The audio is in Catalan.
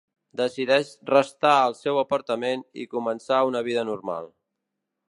Decideix restar al seu apartament i començar una vida normal.